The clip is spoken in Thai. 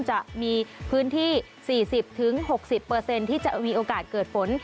จะมีพื้นที่๔๐๖๐ที่จะมีโอกาสเกิดฝน